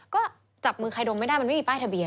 ก็จับมือใครดมไม่ได้มันไม่มีป้ายทะเบีย